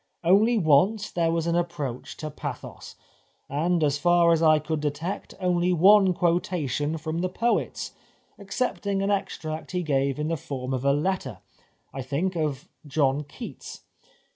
Only once there was an approach to pathos, and as far as I could detect only one quotation from the poets, excepting an extract he gave in the form of a letter — I think — of John Keats.